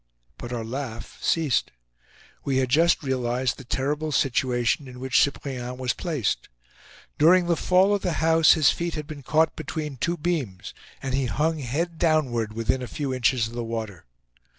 But our laugh ceased. We had just realized the terrible situation in which Cyprien was placed. During the fall of the house his feet had been caught between two beams, and he hung head downward within a few inches of the water.